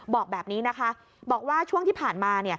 บอกแบบนี้นะคะบอกว่าช่วงที่ผ่านมา